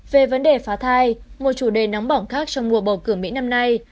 về vấn đề phá thai một chủ đề nóng bỏng khác trong mùa bầu cử mỹ năm nay